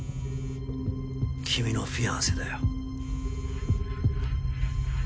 君のフィアンセだよ。